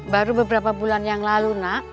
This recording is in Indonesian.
baru beberapa bulan yang lalu nak